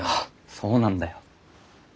そうなんだよ。